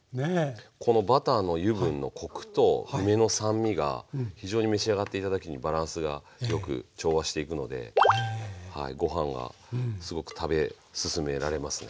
このバターの油分のコクと梅の酸味が非常に召し上がって頂く時にバランスが良く調和していくのでご飯がすごく食べ進められますね。